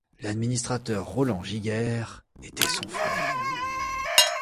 L'administrateur Roland Giguère était son frère.